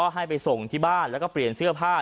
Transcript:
ให้ไปส่งที่บ้านแล้วก็เปลี่ยนเสื้อผ้า